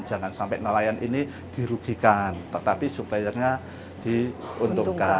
jangan sampai nelayan ini dirugikan tetapi suppliernya diuntungkan